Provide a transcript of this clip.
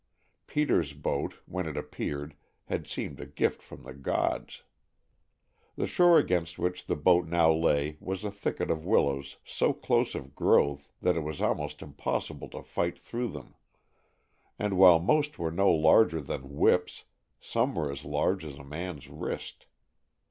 Peter's boat, when it appeared, had seemed a gift from the gods. The shore against which the boat now lay was a thicket of willows so close of growth that it was almost impossible to fight through them, and while most were no larger than whips some were as large as a man's wrist.